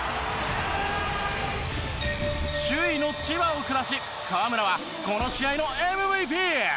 首位の千葉を下し河村はこの試合のＭＶＰ！